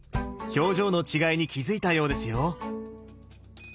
表情の違いに気付いたようですよ。